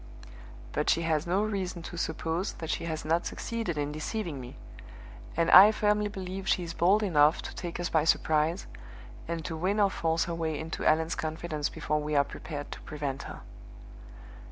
But she has no reason to suppose that she has not succeeded in deceiving me; and I firmly believe she is bold enough to take us by surprise, and to win or force her way into Allan's confidence before we are prepared to prevent her.